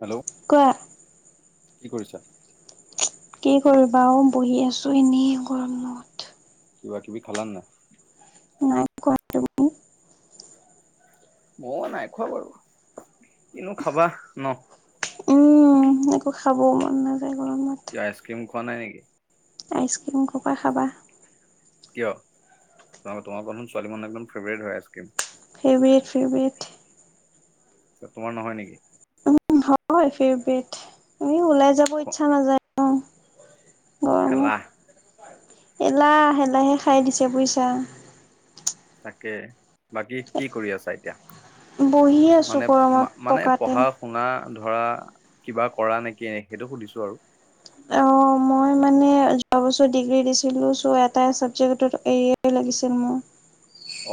Hello কোৱা। কি কৰিছা? কি কৰিবা অ বহি আছো এনেই গৰমত। কিবা-কিবি খালা নে নাই? নাই খোৱা, তুমি? মইও নাই খোৱা বাৰু। কিনো খাবা ন? উম একো খাবও মন নাযায় গৰমত। কিয় আইচক্ৰীম খোৱা নাই [unintelligible] আইচক্ৰীম ক পা খাবা? কিয়? মানে তোমাৰলোকৰচোন ছোৱালী মানুহৰ একদম ফেভৰেট হয় আইচক্ৰীম। Favourite, favourite. তে তোমাৰ নহয় নেকি? উম হয় ফেভৰেট, এনেই ওলাই যাব ইচ্ছা নাযায় ন। গৰমত এলাহ। এলাহ, এলাহে খাই দিছে বুইছা। তাকে, বাকী কি কৰি আছা এতিয়া? বহি আছো মানে গৰমত মানে পকাতে পঢ়া-শুনা। ধৰা কিবা কৰা নেকি? নে সেইটো সুধিছো আৰু। অ মই মানে যোৱা বছৰ ডিগ্ৰী দিছিলোঁ। চ এটা চাবজেকত এৰিয়াৰ লাগিছে মোৰ।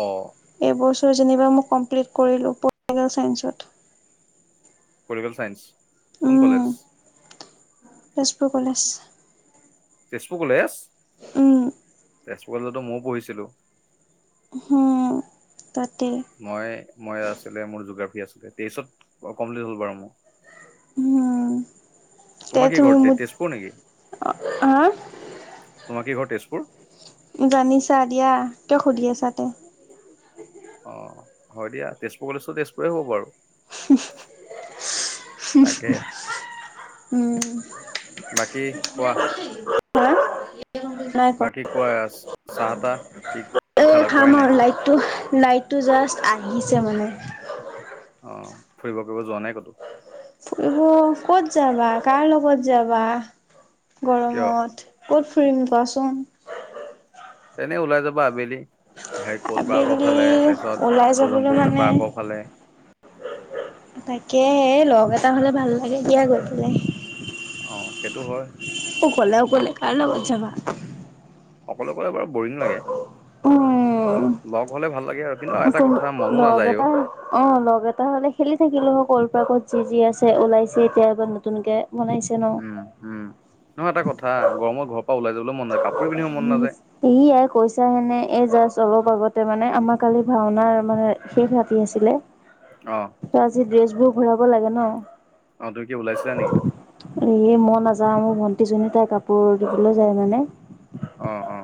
অ। এইবছৰ যেনিবা মই কমপ্লিট কৰিলোঁ পলিটিকেল ছাইন্সত। Political science? কোন college? Tezpur college. Tezpur college? উম, তেজপুৰ কলেজত মইও পঢ়িছিলো। হম। তাতে মই মই আছিলে মোৰ যোগাৰ আছিলে, তেইছত কমপ্লিট হ'ল বাৰু মোৰ। উম, তে তোমাৰ কি ঘৰ তুম তেজপুৰ নেকি? হা? [unintelligible] তোমাৰ কি ঘৰ তেজপুৰ? জানিছা দিয়া। কিয় সুধি আছা তে? অ, হয় দিয়া। তেজপুৰ কলেজটো তেজপুৰে হ'ব বাৰু। [unintelligible] তাকে উ বাকী কোৱা। হা বাকী কোৱা। চাহ-তাহ কি? কি খালা খাম খোৱাই আও। নাই লাইটটো, লাইটটো জাষ্ট আহিছে মানে। অ। ফুৰিব কৰিব যোৱা নাই ক'তো? ফুৰিব ক'ত যাবা? কাৰ লগত যাবা? কিয় গৰমত ক'ত ফুৰিম কোৱাচোন? এনেই ওলাই যাবা আবেলি। সেই কল পাৰ্কৰ আবেলি ফালে, ওলাই তাৰপিছত উজম যাবলৈ পুখুৰী মানে পাৰ্কৰ ফালে। তাকেহে এ লগ এটা হলে ভাল লাগে দিয়া গৈ পেলাই। অ, সেইটো হয়। অকলে অকলে কাৰ লগত যাবা? অকলে গ'লে বাৰু বৰিং লাগে। উম, লগ হ'লে ভাল লাগে আৰু। কিন্তু এটা কথা [unintelligible] মনো লগ নাযায় অ এটা অ লগ এটা হ'লে খেলি থাকিলো অকল [unintelligible] ত যি যি আছে ওলাইছে এতিয়া একদম নতুনকে। বনাইছে ন। উম, উম। নহয় এটা কথা, গৰমত ঘৰৰ পৰা ওলাই যাব [unintelligible] কৈছাহে নে এই জাষ্ট অলপ আগতে মানে আমাৰ কালি ভাওনাৰ মানে শেষ ৰাতি আছিলে। অ ত আজি ড্ৰেছ বোৰ ঘূৰাব লাগে ন? অ তুমি কি ওলাইছিলা নেকি এ মই নাযাওঁ, মোৰ ভন টিজনী তাই কাপোৰ দিবলৈ যায় মানে। অ, অ।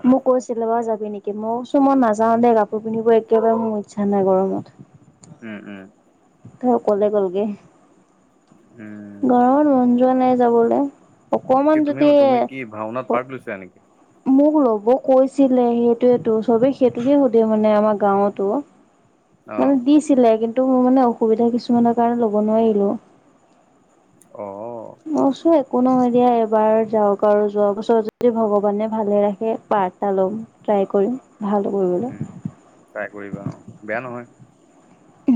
[unintelligible] ৰ যাবি নেকি? মই কৈছো মই নাযাও দেই। কাপোৰ পিন্ধিব একেবাৰে মোৰ ইচ্ছা নাই গৰমত। উম উম ত অকলে গ'লগে। উম, গৰমত মন যোৱা নাই যাবলে। কি তুমিও তুমি কি ভাওনাত পাৰ্ট লৈছিলা নেকি? মোক লব কৈছিলে সেইটোৱেটো। চবে সেইটোহে সুধে মানে আমাৰ গাঁৱতো। মানে অ', দিছিলে। কিন্তু মোৰ মানে অসুবিধা কিছুমানৰ কাৰণে ল'ব নোৱাৰিলো। অ', [unintelligible] একো নহয় দিয়া। এইবাৰ যাওক আৰু যোৱা বছৰ যদি ভগৱানে ভালে ৰাখে পাৰ্ট এটা ল'ম, ট্ৰাই কৰিম। ভাল কৰিবলৈ উম, ট্ৰাই কৰিবা অ বেয়া নহয়। উ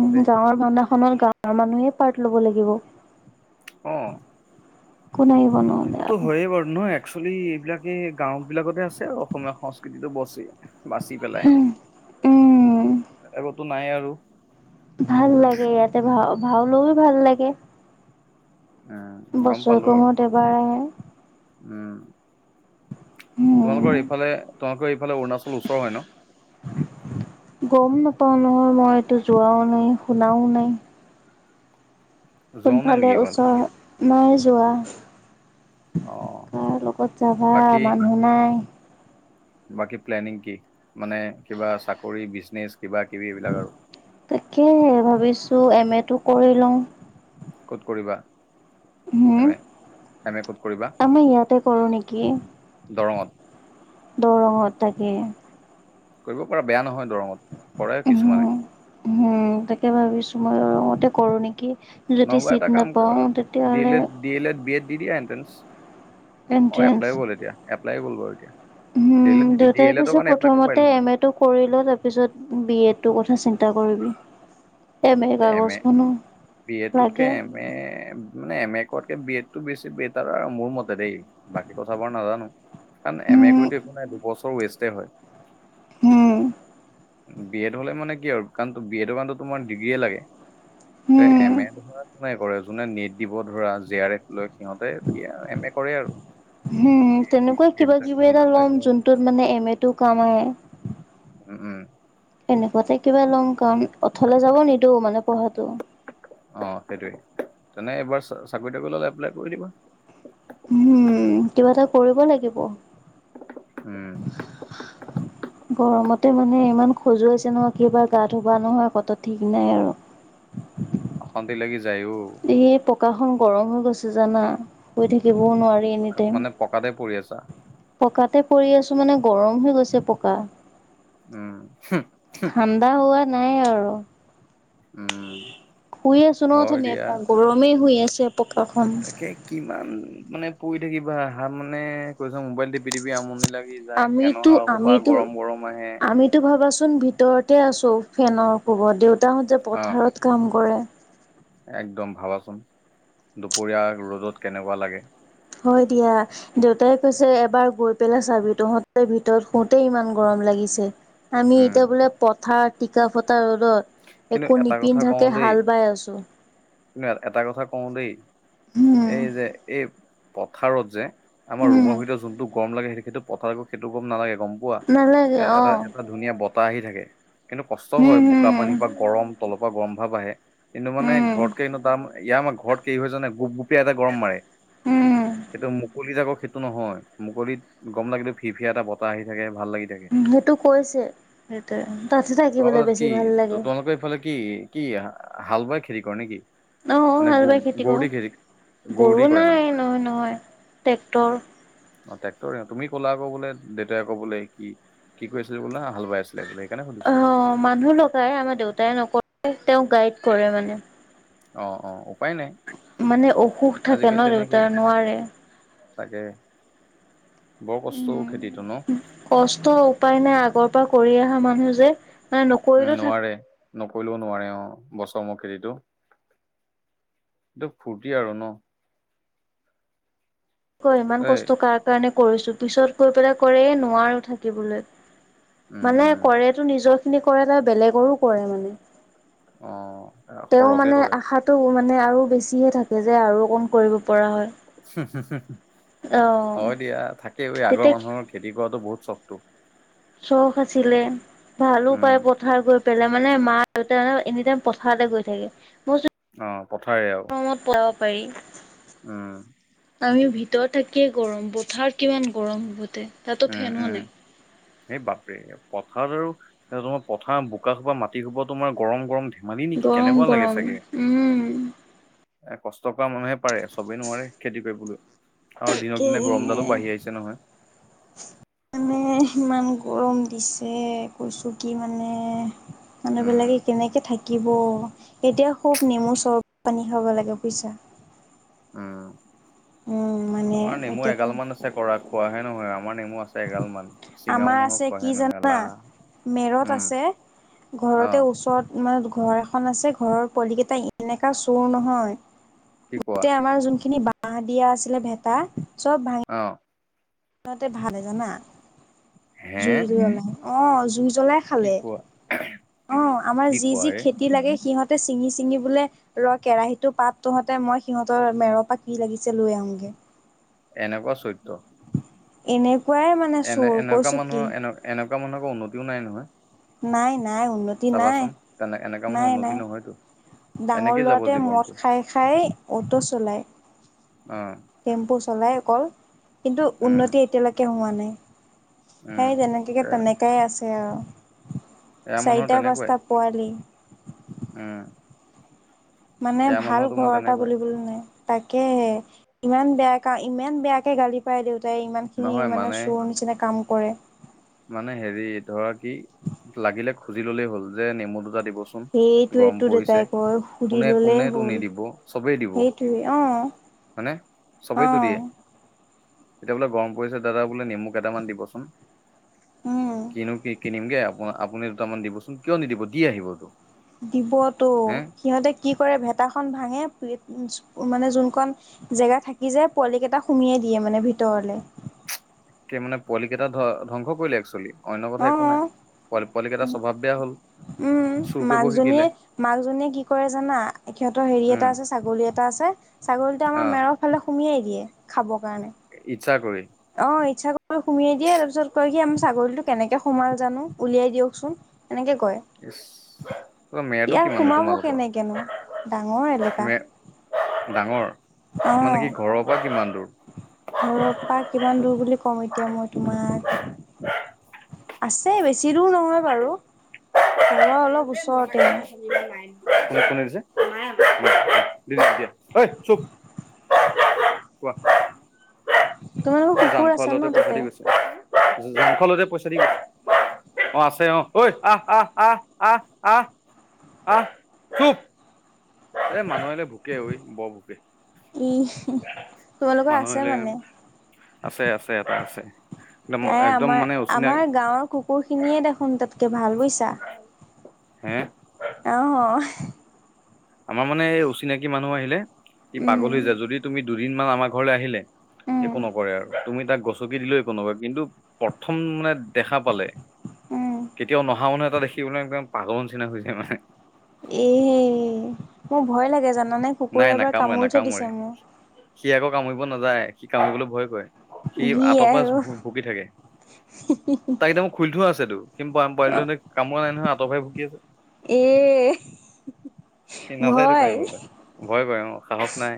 ভালেই গাঁৱৰ ভাওনাখনত গাঁৱৰ মানুহেই পাৰ্ট ল'ব লাগিব। অ। কোন আহি সেইটোতো হয়য়ে বাৰু ন। একচলি এইবিলাকে এই গাঁও বিলাকতে আছে আৰু অসমীয়া সংস্কৃতিটো বছি। বাচি পেলাই, উম বেলেগতটো নাই আৰু। ভাল লাগে ইয়াতে। ভা ভাওলৈ ভাল লাগে। উম, গম পালো বছৰেকৰ আৰু মূৰত এবাৰ আহে। উম। তোমালোকৰ উম। এইফালে, তোমালোকৰ এইফালে অৰুণাচল ওচৰ হয় ন? [unintelligible] নহয় মই এইটো যোৱাও নাই, শুনাও নাই। কোন যোৱাও নাই ফালে নেকি এইফালে? ওচৰ হয়, নাই যোৱা। অ', কাৰ লগত যাবা? বাকী মানুহ নাই। বাকী প্লেনিং কি? মানে কিবা চাকৰি, বিচনেজ! তাকেহে, ভাবিছো এম এটো কৰি লওঁ। ক'ত কৰিবা? হু? এম এ, এম এ ক'ত কৰিবা? আমি ইয়াতে কৰো নেকি, দৰঙত দৰঙত। তাকে। কৰিব পাৰা, বেয়া নহয় দৰঙত। কৰে কিছুমানে। ৰ দৰঙতে কৰোঁ নেকি? যদি নহবা চিট এটা কাম কৰা। নাপাওঁ ডি এল তেতিয়াহ'লে Ed, D L Ed, B Ed দি দিয়া এণ্ট্ৰেন্স। অ, এপ্লাই গ'ল এতিয়া। এপ্লাইয়ো গ'ল বাৰু এতিয়া। ডি হুম, এল এড ডি দেউতাই এল এডৰ কৈছে কাৰণে এপ্লাই কৰিব প্ৰথমতে পাৰিলেহেঁতেন এম এ টো কৰি ল, তাৰ পিছত বি এডটোৰ কথা চিন তই কৰিবি। এৰ এম এ, কাগজখনো বি এডটোতকে লাগে এম এ মানে এম এ কৰাতকে বি এড বেছি বেটাৰ আৰ মোৰ মতে দেই। বাকী কথা বাৰু নাজানো। কাৰণ এম এ হম কৰি একো নাই। দুবছৰ ৱেষ্টে হয়। হুম। বি এড হ'লে মানে কি আৰু কাৰণ বি এডৰ কাৰণ তোমাৰ ডিগ্ৰীয়ে লাগে। এ হম এম এটো ধৰা [unintelligible] যোনে নিট দিব ধৰা জে আৰ এফ লৈ সিহঁতে বি এম এ কৰে আৰু। হুম, তেনেকুৱাই এইবিলাক কিবা-কিবি এটা বিলাক লম। উম যোনটোত মানে এম এটো কাম আহে। উম এনেকুৱাতে কিবা লম কাম অথলে যাব নিদোও মানে পঢ়াটো। অ সেইটোৱে তেনে এইবাৰ চাকৰি তাকৰি ওলালে এপ্লাই কৰি দিবা। উম কিবা এটা কৰিব লাগিব। উম। গৰমতে মানে ইমান খজুৱাইছে নহয় কেবাৰ গা ধোবা নহয় ক'ত ঠিক নাই আৰু। [inaudible] অশান্তি লাগি যায় অ। কাখন গৰম হৈ গৈছে জানা শুই থাকিবও নোৱাৰি মানে এনিটাইম। মানে পকাতে পৰি আছা পকাতে পৰি আছো মানে গৰম হৈ গৈছে পকা। উম। হুম, হুম, ঠাণ্ডা হোৱা নাই আৰু। উম শুই আছো ন হয় দিয়া অথনিপা গৰমেই শুই আছ- তাকে কিমান? মানে পৰি থাকিবা হান মানে কৈছোং মোবাইল টিপি টিপি আমনি লাগে। আমিতো আমিতো আহে আমিতো ভাবাচোন ভিতৰতে আছ- তৌ ফেনৰ কোবত দেউতাহঁতে অ পথাৰত কাম কৰে। একদম ভাবাচোন দুপৰীয়া ৰ'দত কেনেকুৱা লাগে। হয় দিয়া দেউতাই কৈছে এবাৰ গৈ পেলাই চাবি তহঁতে ভিতৰত শুতেই ইমান গৰম লাগি গিছে আমি উম এতিয়া বোলে পথাৰ টিকা ফতা ৰ'দ দত কিন্তু একো এটা কথা কওঁ নিপিন্ধকে দেই হাল বাই আছো। কিন্তু এটা কথা কওঁ দেই উম এই যে এই পথাৰত যে আমাৰ উম ৰুমৰ ভিতৰত যোনটো গৰম লাগে। সেই সেইটো পথাৰ সেইটো গম নালাগে, গম পোৱা এ নালাগে এটা অ এটা ধুনীয়া বতাহ আহি থাকে। কিন্তু কষ্টও হয় উম ব- হম গৰম তলৰ পৰা গৰম ভাৱ আহে, কিন্তু মানে উম ঘৰতকে তাম ইয়াৰ আমাৰ ঘৰত ক হয় জানে গোপ গোপ পিয়া এটা গৰম মাৰে উম সেইটো মো- মুকলিত আকৈ সেইটো নহয়। মুকলিত গম লাগিলে ফি ফিয়া এটা বতাহ আহি থাকে। ভাল লাগি থাকে উ সেইটো কৈছে দেতায়ে। তাতহে তোমালোকৰ থাকিবলৈ তাত বেছি কি ভাল লাগে তোমালোকৰ এইফালে কি, কি হাল বাই খেতি কৰে নে কি? অ মানে হাল গু বাই কৰো গৰুদি খেতি? দি গৰু কৰে নাই মানে নহয় নহয় ট্ৰেক্টৰ। টেক্টৰে তুমি কলা আকৌ বোলে দেউতাই কৌ বোলে কি কৰিছিল বোলে হা হাল বাইছ- অ মানুহ লগাই আমাৰ দেউতাই নকৰে তেওঁ গাইড কৰে মানে। অ অ। উপায় নাই মানে অসুখ থাকে ন আজিকালি তেনেকেই দেউতাই নোৱাৰে। তাকে। বৰ উম কষ্টও খেতিটো ন কষ্ট উপায় নাই আগৰ পৰা কৰি অহা মানুহ যে। উম নকৰিলেও থাক- নোৱাৰে নকৰিলেও নোৱাৰে অ বছৰমোৰত খেতিটো। এইটো ফূৰ্তি আৰু ন। কয় ইমান এই কষ্ট কাৰ কাৰণে কৰিছো পিছত গৈ পেলাই কৰে এই নোৱাৰো থাকিবলৈ। উম মানে উম কৰেতো নিজৰ খিনি কৰে, ত বেলেগৰো কৰে মানে। অ সৰহকে কৰে। নে আৰু বেছিহে থাকে যে আৰু অকন কৰিব পৰা হয়। হম হম হম অ' হয় দিয়া থাকেই আগৰ তেতিয়া মানুহৰ খেতি কৰাটো বহুত চবটো। চখ আছিলে ভালো উম পায় পথাৰ গৈ পেলোৱা মানে মা দেউতা এনি টাইম পথাৰতে গৈ থাকে। মই অ পথাৰে আও। গৰমত পলাব পাৰি উম। আমি ভিতৰত থাকিয়ে গৰম পথাৰ কিমান গৰম হবতে তাতো ফেনো নাই। সেই বাপৰে পথাৰত আৰু তোমাৰ পথাৰ বোকা খুবা মাটি খোবা তোমাৰ গৰম গৰম উঠে। মালি নেকি গৰম কেনেকুৱা লাগে গৰম চাগে। উম। এ কষ্ট কৰা মানুহে পাৰে। চবেই নোৱাৰে খেতি কৰিবলৈ। আৰু দিনক দিনে গৰম ডালো তাকেহে। বাঢ়ি আহিছে নহয়। মানে ইমান গৰম দিছে। কৈছো কি মানে মানুহ উম বিলাকে কেনেকে থাক থাকিব এতিয়া খুব নেমু চৰবত, পানী খাব লাগে, বুইছা? উম, মানে আমাৰ নেমু এতিয়াতো এগাল মান আছে। কৰা খোৱাহে নহয় আও। আমাৰ নেমু আছে এগাল মান। চিঙাও আমাৰ নহয় আছে কি খোৱাহে নহয় জানা এলাহ, মেৰত উম। আছে অ ঘৰতে ওচৰত মানে ঘৰ এখন আছে। ঘৰৰ পোৱালিকেইটা এনেকা চোৰ কি নহয়। কোৱা গোটে আমাৰ যোনখিনি বা বাঁহ দিয়া আছিলে, ভেটা। চব ভাঙি অ [unintelligible] ভালে জানা হে জুই [unintelligible] অ জুই জলাই কি খালে। কোৱা অ আমাৰ কি যি কোৱা যি এই খেতি লাগে সিহঁত চিঙি চিঙি বোলে ৰ কেৰাহীটো পাত তহঁতে। মই সিহঁতৰ মেৰৰ পৰা কি লাগিছে লৈ আহোগে। এনেকুৱা চৰিত্ৰ। এনেই এনে এনেকুৱা মানুহৰ এ এনেকুৱা মানুহৰ উন্নতিও নাই নহয়। নাই, নাই, উন্নতি নাই। চাবাচোন তেনে এনেকা মানুহৰ নাই, উন্নতি নাই। নহয়তো ডাঙৰ এনেকে যাব ল'ৰাটোৱ মদ জীৱনটো খাই খাই অটো চলায় উম টেম্পু চলাই আকৌ, কিন্তু উম উন্নতি এতিয়ালৈকে হোৱা নাই। উম সেই যেনেকাকে এ তেনেকাই আছে আও। এয়া মানুহৰ চাৰিটা, তেনেকুৱাই পাঁচটা পোৱালি। উম মানে এয়া ভাল মানুহ তোমাৰ ঘৰ এটা তেনেকুৱাই বুলিবলৈ নাই। তাক তাকেহে ইমান বেয়া কা ইমান বেয়াকে গালি পাৰে দেউ ইমান খিনি মানে চোৰৰ নিচিনা কাম কৰে। মানে হেৰি ধৰা কি লাগিলে খুজি ল'লেই হ'ল যে নেমু দুটা দি দিব চোন গৰম সেইটোৱেতো পৰিছে দেউতাই কয় সুধি কোনে ললেই কোনেটো হ'ল নিদিব চবেই দিব সেইটোৱে অ হয়নে? অ চবেইতো দিয়ে। তেতিয়া বোলে গৰম পৰিছে দাদা বোলে নিমু কেইটামান দিবচোন। উম [unintelligible] কেক কিনিমগে আপ আপুনি দুটামান দিবচোন। কিয় নিদিব দি আহিবটো। দিবটো, সিহঁতে কি কৰে ভেটাখন ভাঙে মানে যোনখন জেগা থাকি যায়, পোৱালি কেইটা সুমিয়াই দিয়ে মানে ভিতৰলে। [inaudible] মানে পোৱালি কেইটা ধ ধ্বংস কৰিলে এক্চলি। অন্য কথা একো অ নাই। পোৱা পোৱালি কেইটা স্বভাৱ বেয়া হ'ল। উম, চুৰ কৰিব মাকজনীয়ে শিকিলে মাকজনীয়ে কি কৰে জানা? সিহঁতৰ হেৰি উম এটা আছে, ছাগলী এটা আছে। ছাগলীটো আমাৰ অ মেৰৰ ফালে সুমিয়াই দিয়ে খাবৰ কাৰণে। ইচ্ছা কৰি অ ইচ্ছা কৰি সুমিয়াই দিয়ে তাৰপিছত কয় কি ছাগলীটো কেনেকে সোমাল জানো? উলিয়াই দিয়কচোন এনেকে কয়। ইচ মেৰটো ইয়াত কিমান দূৰ সোমাব তোমালোকৰ কেনেকেনো ডাঙৰ এলেকা। মে ডাঙৰ অ মানে কি ঘৰৰ পৰা কিমান দূৰ? ঘৰৰ পৰা কিমান দূৰ বুলি কওঁ এতিয়া মই তোমাক। আছে বেছি দূৰ নহয় বাৰু। ঘৰৰ অলপ ওচৰতে আৰু [unintelligible] কোনে দিছে? [unintelligible] ঐ চুপ। কোৱা। তোমালোকৰ জান কুকুৰ খোৱা আছে ন লৰাটোৱে তাতে পথাৰেদি গৈছে। [unintelligible] পইচা দি [unintelligible] অ আছে অ। ঐ আহ, আহ, আহ। আহ, আহ, আহ চুপ। এ মানুহ আহিলে ভোকে ঐ বৰ ভোকে। ই তোমালোকৰ মানুহ আছে আহিলে, মানে আছে, আছে। এটা আছে। একদম নাই একদম আমাৰ মানে অচিনাকি আমাৰ গাঁৱৰ কুকুৰ খিনিয়ে দেখোন তাতকে ভাল বোইছা হে অহ আমাৰ মানে এই অচিনাকি মানুহ আহিলে ই উম, পাগল হৈ যায় যদি তুমি দুদিনমান আমাৰ ঘৰলে আহিলে উম, একো নকৰে আৰু তুমি তাক গচকি দিলেও একো নকয় কিন্তু প্ৰথম মানে দেখা পালে উম। কেতিয়াও নহা মানুহ এটা দেখি মানে একদম পাগলৰ চিনা হৈ যায় মানে এ মোৰ ভয় লাগে জানা নাই নাকামুৰে নাকামুৰে সি আকৌ কামুৰিব নাযায় সি কামুৰিবলৈ ভয় কৰে সি ই আঁতৰ পা আই অ', ভু ভুকি থাকে তাক একদম খুলি থোৱা আছেতো সিম পোৱাম পোৱালি হতে কামুৱা নাই নহয় আঁত পাই ভুকি আছে। এ সি নাযায়তো ভয় কামুৰিবলৈ ভয় কৰে অ সাহস নাই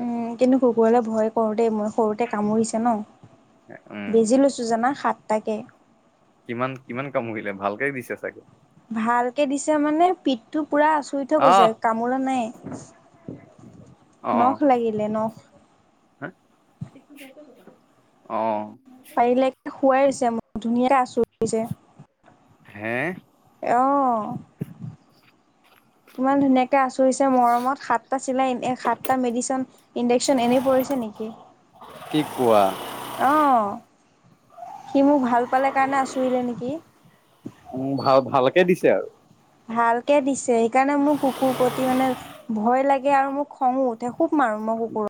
উম কিন্তু কুকুৰলে ভয় সৰুতে মই সৰুতে কামুৰিছে ন উম বেজি লৈছোঁ জানা সাতটা কে কিমান কিমান কামুৰিলে ভালকে দিছে চাগে ভালকে দিছে মানে পিঠটো পুৰা আচুৰি থৈ গৈছে আহ কামুৰা নাই [unintelligible] নখ লাগিলে নখ হা অ পাৰিলে শোৱাইছে মোৰ ধুনীয়াক আচোৰিছে। হে অ মই ধুনীয়াকে তে আচুৰিছে মৰমত সাতটা চিলাই এনে সাতটা মেডিচিন ইডেকচন এনেই পৰিছে নেকি কি কোৱা। অ', সি মোক ভাল পালে কাৰণে আচুৰিলে নিকি উম ভাল ভালকে দিছে আৰু ভালকে দিছে সেইকাৰণে মোৰ কুকুৰ প্ৰতি মানে ভয় লাগে ইয়ে আৰু মোৰ খংও উঠে খুব মাৰো মই কুকুৰক